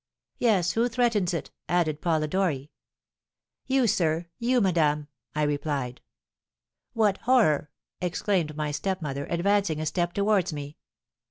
"'Yes, who threatens it?' added Polidori. "'You, sir! you, madame!' I replied. "'What horror!' exclaimed my stepmother, advancing a step towards me.